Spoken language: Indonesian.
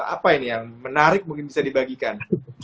apa ini yang menarik mungkin bisa dibagikan